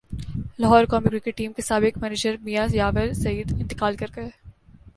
لاہورقومی cricket team کے سابق manager Mian یاور سعید انتقال کرگئے